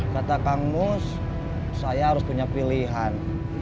kita harus punya pilihan